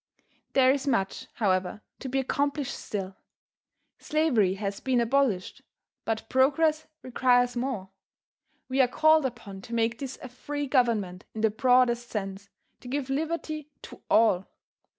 There is much, however, to be accomplished still. Slavery has been abolished, but Progress requires more. We are called upon to make this a free government in the broadest sense, to give liberty to all.